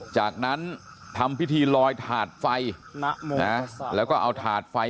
จากนั้นทำพิธีร้อยถาดไฟ